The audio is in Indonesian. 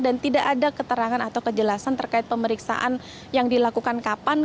dan tidak ada keterangan atau kejelasan terkait pemeriksaan yang dilakukan kapan